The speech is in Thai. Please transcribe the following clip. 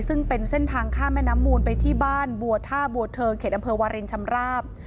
ซึ่งเป็นเส้นทางข้ามแม่น้ำมูลไปที่บ้านบัวท่าบัวเทิงเขตอำเภอวารินชำราบ